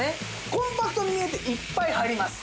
コンパクトに見えていっぱい入ります。